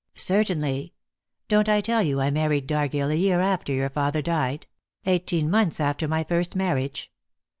"Certainly. Don't I tell you I married Dargill a year after your father died eighteen months after my first marriage?